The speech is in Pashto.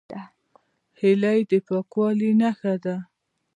هیلۍ د پاکوالي نښه ده